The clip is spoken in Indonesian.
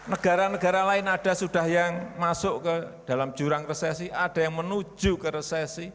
negara negara lain ada sudah yang masuk ke dalam jurang resesi ada yang menuju ke resesi